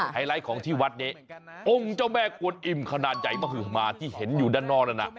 ไลท์ของที่วัดนี้องค์เจ้าแม่กวนอิ่มขนาดใหญ่มหมาที่เห็นอยู่ด้านนอกนั้น